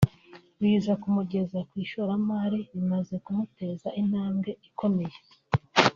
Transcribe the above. biza kumugeza ku ishoramari rimaze kumuteza intambwe ikomeye